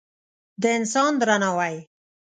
د انسان درناوی